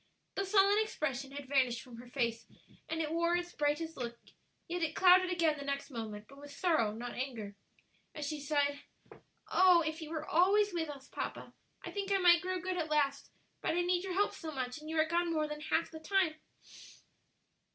The sullen expression had vanished from her face and it wore its brightest look, yet it clouded again the next moment, but with sorrow, not anger, as she sighed, "Oh! if you were always with us, papa, I think I might grow good at last; but I need your help so much, and you are gone more than half the time."